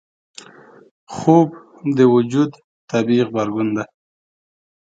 خوب د وجود طبیعي غبرګون دی